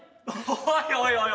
おいおいおい。